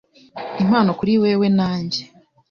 Impano kuri wewe nanjye